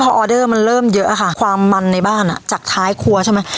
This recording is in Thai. พอออเดอร์มันเริ่มเยอะค่ะความมันในบ้านอ่ะจากท้ายครัวใช่ไหม